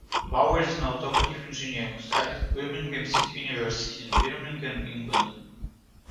Bauer is an automotive engineer who studied at Birmingham City University in Birmingham, England.